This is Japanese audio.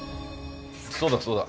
そうだそうだ。